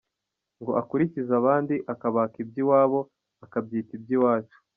Ngo akurikize abandi, akabaka iby’iwabo, akabyita iby’iwacu.